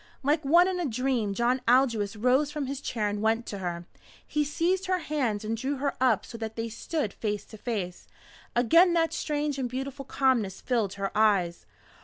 Like one in a dream John Aldous rose from his chair and went to her. He seized her hands and drew her up so that they stood face to face. Again that strange and beautiful calmness filled her eyes.